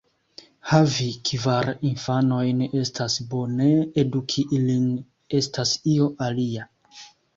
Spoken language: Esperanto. Havi kvar infanojn estas bone; eduki ilin estas io alia.